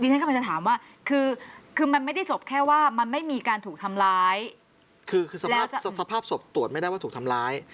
ฉันกำลังจะถามว่าคือคือมันไม่ได้จบแค่ว่ามันไม่มีการถูกทำร้ายคือสภาพสภาพศพตรวจไม่ได้ว่าถูกทำร้าย